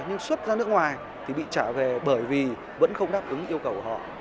nhưng xuất ra nước ngoài thì bị trả về bởi vì vẫn không đáp ứng yêu cầu của họ